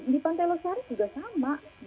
di pantai losari juga sama